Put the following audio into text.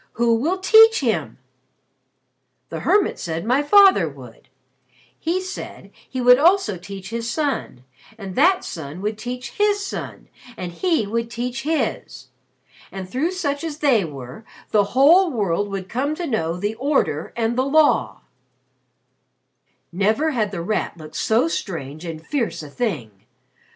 "Who will teach him?" "The hermit said my father would. He said he would also teach his son and that son would teach his son and he would teach his. And through such as they were, the whole world would come to know the Order and the Law." Never had The Rat looked so strange and fierce a thing.